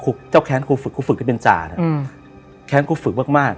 เจ้าแค้นครูฝึกครูฝึกที่เป็นจานะอืมแค้นครูฝึกมากมาก